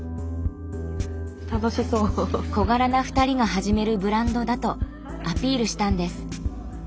小柄な２人が始めるブランドだとアピールしたんです。